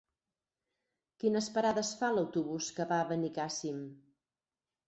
Quines parades fa l'autobús que va a Benicàssim?